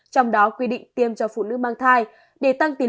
trong đó quy định tiêm cho phụ nữ mang thai